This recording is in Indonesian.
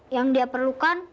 yang dia perlukan